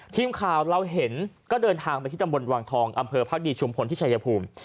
ทีมข่าวเราเห็นก็เดินทางไปที่ตำบลวังทองอำเภอภักดีชุมพลที่ชายภูมิ